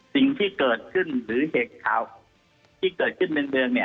สิ่งที่เกิดขึ้นหรือเหตุข่าวที่เกิดขึ้นเบื้องเบื้องเนี้ย